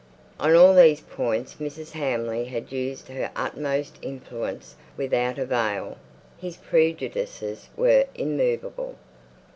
On all these points Mrs. Hamley had used her utmost influence without avail; his prejudices were immoveable.